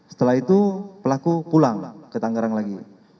setelah itu pelaku pulang ke tangerang lagi